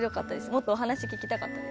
もっとお話聞きたかったです。